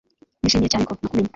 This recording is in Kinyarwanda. nishimiye cyane ko nakumenye